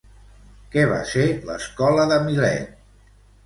Què va ser l'escola de Milet?